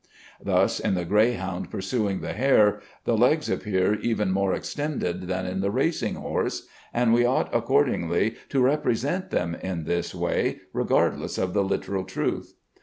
Thus in the greyhound pursuing the hare, the legs appear even more extended than in the racing horse, and we ought accordingly to represent them in this way, regardless of the literal truth.